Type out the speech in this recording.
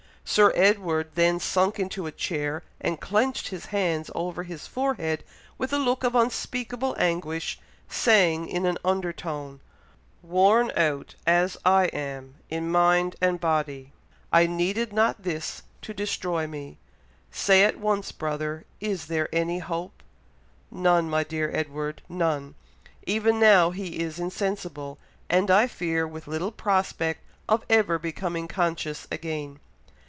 Sir Edward then sunk into a chair, and clenched his hands over his forehead with a look of unspeakable anguish, saying, in an under tone, "Worn out, as I am, in mind and body, I needed not this to destroy me! Say at once, brother, is there any hope?" "None, my dear Edward! None! Even now he is insensible, and I fear with little prospect of ever becoming conscious again."